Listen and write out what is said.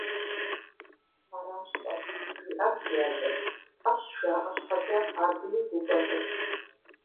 – Аращ–тӀэ, – жиӀащ ди адэм, – Ӏэщ жаӀэ щхьэкӀэ, абыи гу кӀуэцӀылъщ.